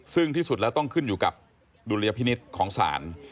ซึ่งที่สุดแล้วต้องขึ้นอยู่กับดุลยพินิษฐ์ของศาล